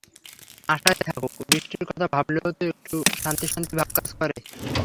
আশায় থাকুক, বৃষ্টির কথা ভাবলেও তো একটু শান্তি শান্তি ভাব কাজ করে।